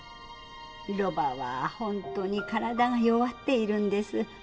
ロバは本当に体が弱っているんです。